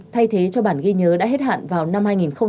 thay thế cho bản ghi nhớ đã hết hạn vào năm hai nghìn một mươi tám